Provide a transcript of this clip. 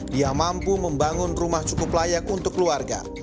dia mampu membangun rumah cukup layak untuk keluarga